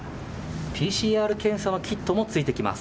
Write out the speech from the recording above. ＰＣＲ検査のキットもついてきます。